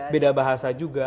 beda bahasa juga